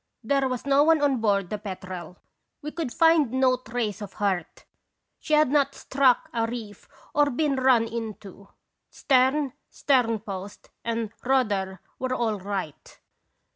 There was no one on board the Petrel. We could find no trace of hurt; she had not struck a reef or been run into; stern, sternpost, and rudder were all right.